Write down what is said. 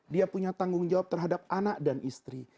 dia punya tanggung jawab terhadap anak dan istri